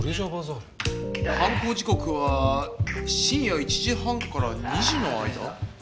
犯行時刻は深夜１時半から２時の間？